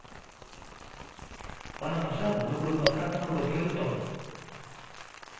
O ano pasado logrou unha prata no Europeo de Torun.